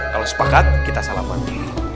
kalau sepakat kita salamannya